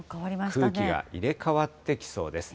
空気が入れ代わってきそうです。